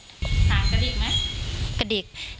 สามกระดิกไหม